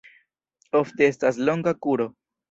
Ofte estas longa kuro.